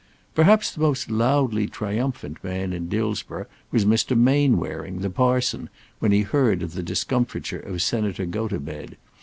Perhaps the most loudly triumphant man in Dillsborough was Mr. Mainwaring, the parson, when he heard of the discomfiture of Senator Gotobed.